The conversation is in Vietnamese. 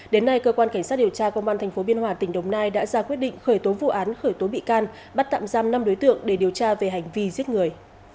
đến nay cơ quan cảnh sát điều tra công an tp biên hòa tỉnh đồng nai đã ra quyết định khởi tố vụ án khởi tố bị can bắt tạm giam năm đối tượng để điều tra về hành vi giết người